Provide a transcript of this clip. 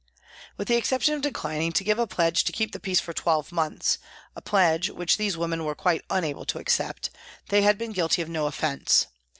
With the exception of declining to give a pledge to keep the peace for twelve months, a pledge which these women were quite unable to accept, they had been guilty of no offence.